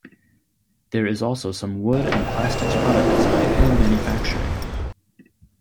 There is also some wood and plastics product design and manufacturing.